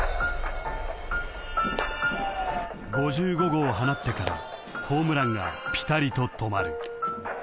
［５５号を放ってからホームランがぴたりと止まる］